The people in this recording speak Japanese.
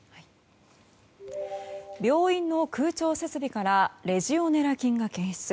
病院の空調設備からレジオネラ菌が検出。